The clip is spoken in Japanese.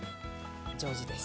上手です。